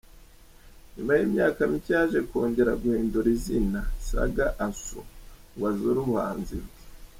Nyuma y’imyaka mike yaje kongera guhindura izina ‘Saga Asu’, ngo azure ubuhanzi bwe.